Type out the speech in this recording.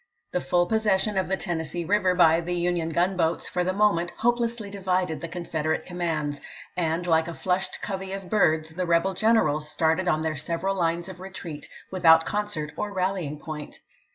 The full possession of the Tennessee River by the Union gunboats for the moment hopelessly divided the Confederate com mands, and like a flushed covey of birds the rebel generals started on their several lines of retreat without concert or rallying point.